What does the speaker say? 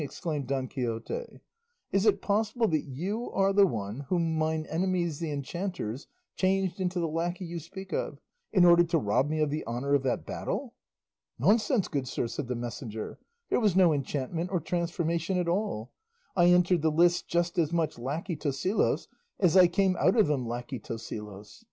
exclaimed Don Quixote; "is it possible that you are the one whom mine enemies the enchanters changed into the lacquey you speak of in order to rob me of the honour of that battle?" "Nonsense, good sir!" said the messenger; "there was no enchantment or transformation at all; I entered the lists just as much lacquey Tosilos as I came out of them lacquey Tosilos.